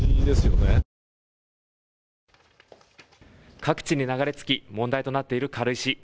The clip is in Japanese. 各地に流れ着き、問題となっている軽石。